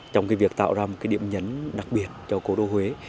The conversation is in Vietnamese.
trong cái việc tạo ra một cái điểm nhấn đặc biệt cho cố đô huế